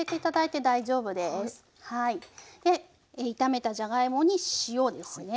で炒めたじゃがいもに塩ですね。